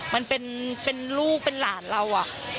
มันเป็นเป็นลูกเป็นหลานเราอ่ะ